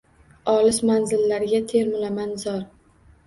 Olis manzillarga termulaman zor